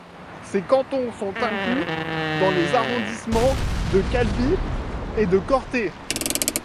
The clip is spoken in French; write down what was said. Ces cantons sont inclus dans les arrondissements de Calvi et de Corte.